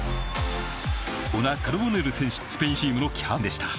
オナカルボネル選手はスペインチームのキャプテンでした。